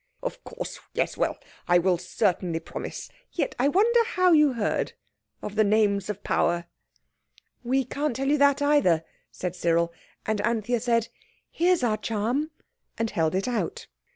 Of course! Yes! Well, I will certainly promise. Yet I wonder how you heard of the names of power?" "We can't tell you that either," said Cyril; and Anthea said, "Here is our charm," and held it out.